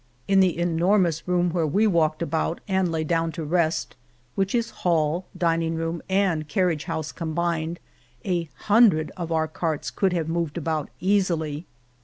In the enormous room where we walked about and lay down to rest, 227 Venta de Cardenas which is hall, dining room, and carriage house combined, a hundred of our carts could have moved about easily.